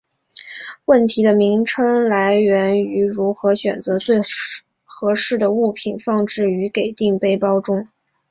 问题的名称来源于如何选择最合适的物品放置于给定背包中。